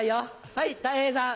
はいたい平さん。